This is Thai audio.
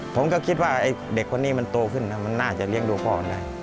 ผมก็คิดว่าไอ้เด็กคนนี้มันโตขึ้นมันน่าจะเลี้ยงดูพ่อมันได้